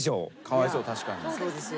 かわいそう確かに。